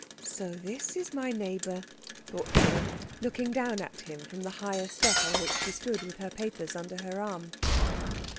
"So this is my neighbour?" thought Anna, looking down at him from the higher step on which she stood with her papers under her arm.